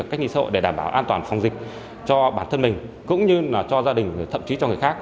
an toàn phòng dịch cho bản thân mình cũng như là cho gia đình thậm chí cho người khác